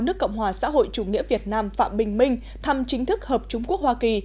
nước cộng hòa xã hội chủ nghĩa việt nam phạm bình minh thăm chính thức hợp trung quốc hoa kỳ